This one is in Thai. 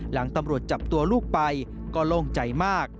หลังตำรวจจับตัวลูกไปก็โล่งใจมาก